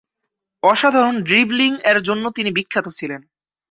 অসাধারণ ড্রিবলিং-এর জন্য তিনি বিখ্যাত ছিলেন।